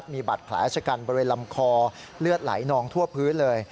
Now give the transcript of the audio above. มีบัตรแผลชะกันบริเวณลำคอเลือดไหลนองทั่วพื้นเลย